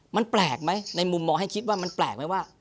มันแปลกไหมในมุมมองให้คิดว่ามันแปลกไหมว่า